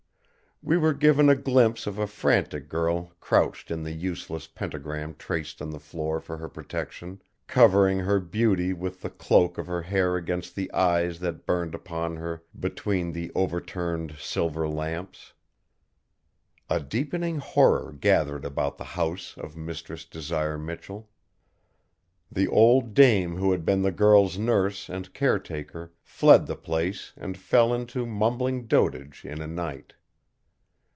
We were given a glimpse of a frantic girl crouched in the useless pentagram traced on the floor for her protection, covering her beauty with the cloak of her hair against the eyes that burned upon her between the overturned silver lamps. A deepening horror gathered about the house of Mistress Desire Michell. The old dame who had been the girl's nurse and caretaker fled the place and fell into mumbling dotage in a night.